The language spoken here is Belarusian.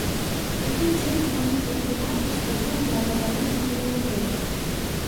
Такім чынам можна патлумачыць запойны алкагалізм і ў людзей.